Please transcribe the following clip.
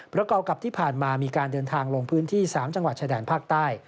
ประกอบกับที่ผ่านมามีการเดินทางลงพื้นที่๓จังหวัดชายแดนภาคใต้